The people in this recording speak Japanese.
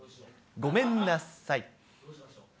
ごめんなさい。